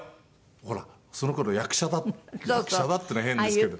ほらその頃役者だ役者だっていうの変ですけど。